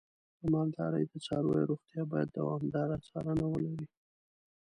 د مالدارۍ د څارویو روغتیا باید دوامداره څارنه ولري.